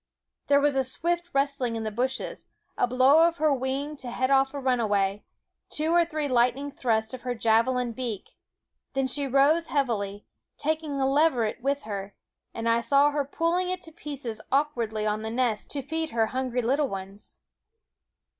There was a swift rustling in the bushes, a blow of her wing to head off a runaway, two or three lightning thrusts of her javelin beak; then she rose heavily, taking a leveret with her; and I saw her pulling it to pieces awkwardly on the nest to feed her hungry little ones.